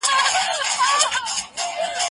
دا انځور له هغه ښکلی دی؟!